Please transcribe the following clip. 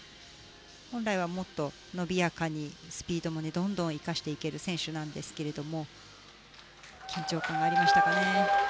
本来はもっと伸びやかにスピードもどんどん生かしていける選手なんですけれども緊張感がありましたかね。